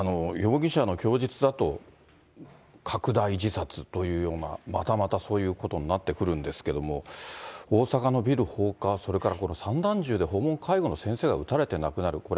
容疑者の供述だと、かくだい自殺というようなまたまたそういうことになってくるんですけれども、大阪のビル放火、それから散弾銃で訪問介護の先生が撃たれて亡くなる。